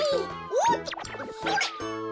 おっとそれ！